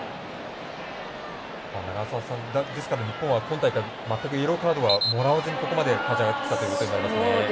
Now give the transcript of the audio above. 永里さん、日本は今大会全くイエローカードはもらわずにここまで勝ち上がってきたというのがありますね。